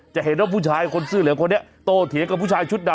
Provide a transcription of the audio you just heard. จะเห็นว่าผู้ชายคนเสื้อเหลืองคนนี้โตเถียงกับผู้ชายชุดดำ